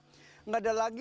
tidak ada lagi